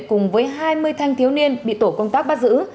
cùng với hai mươi thanh thiếu niên bị tổ công tác bắt giữ